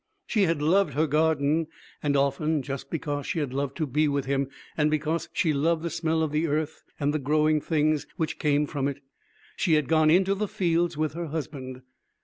She had loved her garden, and often, just because she had loved to be with him and because she loved the smell of the earth and the growing things which came from it, she had gone into the fields with her husband.